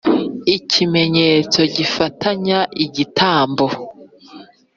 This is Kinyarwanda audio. Ikimenyetso gifatanya u igitabo